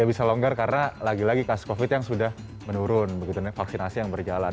ya bisa longgar karena lagi lagi kasus covid yang sudah menurun vaksinasi yang berjalan